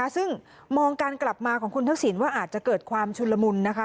ซึ่งมองการกลับมาของคุณทักษิณว่าอาจจะเกิดความชุนละมุนนะคะ